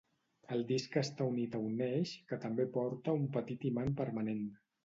El disc està unit a un eix que també porta un petit imant permanent.